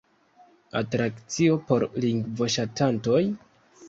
Atrakcio por lingvoŝatantoj?